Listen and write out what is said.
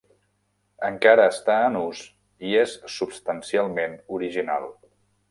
Encara està en ús i és substancialment original.